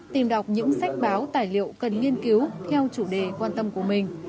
tìm đọc những sách báo tài liệu cần nghiên cứu theo chủ đề quan tâm của mình